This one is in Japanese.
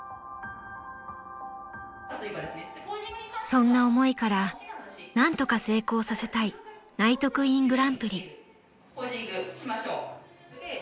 ［そんな思いから何とか成功させたいＮＩＧＨＴＱＵＥＥＮグランプリ］ポージングしましょう。